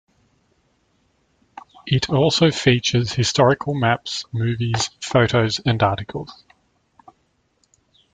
It also features historical maps, movies, photos and articles.